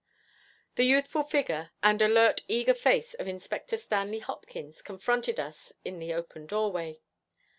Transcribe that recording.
The youthful figure and alert, eager face of Inspector Stanley Hopkins confronted us in the open doorway.